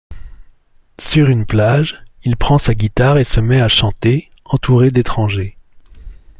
Sur une plage, il prend sa guitare et se met à chanter, entouré d’étrangers.